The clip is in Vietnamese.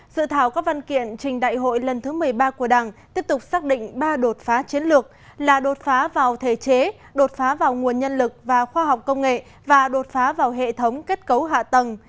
dự thảo các văn kiện trình đại hội lần thứ một mươi ba của đảng tiếp tục xác định ba đột phá chiến lược là đột phá vào thể chế đột phá vào nguồn nhân lực và khoa học công nghệ và đột phá vào hệ thống kết cấu hạ tầng